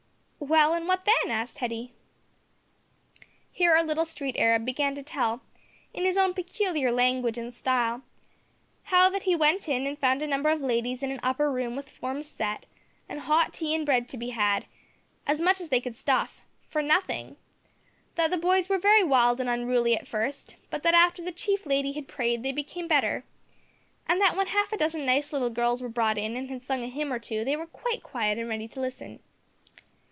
"Well, and what then?" asked Hetty. Here our little street Arab began to tell, in his own peculiar language and style, how that he went in, and found a number of ladies in an upper room with forms set, and hot tea and bread to be had as much as they could stuff for nothing; that the boys were very wild and unruly at first, but that after the chief lady had prayed they became better, and that when half a dozen nice little girls were brought in and had sung a hymn or two they were quite quiet and ready to listen.